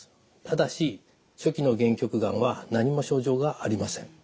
ただし初期の限局がんは何も症状がありません。